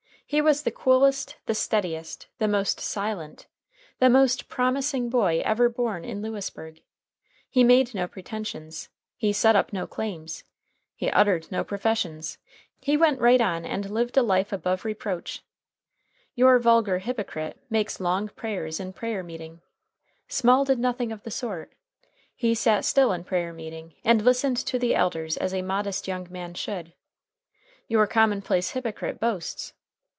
He was the coolest, the steadiest, the most silent, the most promising boy ever born in Lewisburg. He made no pretensions. He set up no claims. He uttered no professions. He went right on and lived a life above reproach. Your vulgar hypocrite makes long prayers in prayer meeting. Small did nothing of the sort. He sat still in prayer meeting, and listened to the elders as a modest young man should. Your commonplace hypocrite boasts.